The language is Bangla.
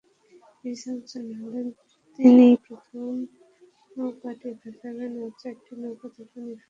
রিচার্ড জানালেন, তিনিই প্রথম নৌকাটি ভাসাবেন, আরও চারটে নৌকা তাঁকে অনুসরণ করবে।